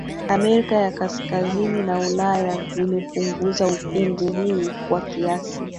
Amerika ya Kaskazini na Ulaya vimepunguza ukungu huu kwa kiasi